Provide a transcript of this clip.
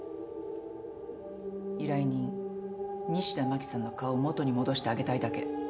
依頼人西田真紀さんの顔を元に戻してあげたいだけ。